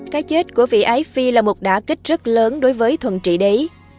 cái chết của vị ái phi là một đá kích rất lớn đối với thuận trị đế